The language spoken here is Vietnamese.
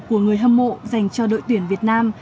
của người hâm mộ dành cho đội tuyển việt nam